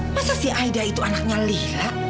masa si aida itu anaknya lihat